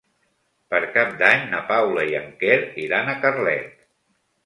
Per Cap d'Any na Paula i en Quer iran a Carlet.